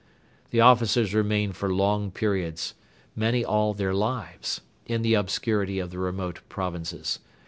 The officers remained for long periods, many all their lives, in the obscurity of the remote provinces.